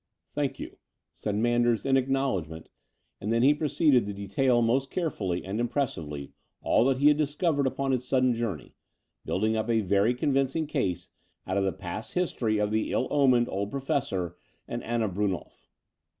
''Thank you," said Manders in acknowledg ment and t'hen he proceeded to detail most care fully and impressivdy all that he had discovered upon his sudden joum^, building up a very con vincing case out of the past history of the ill omened old Professor and Anna Brunnolf.